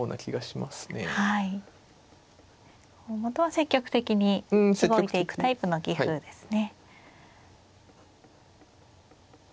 積極的に動いていくタイプの棋風ですね。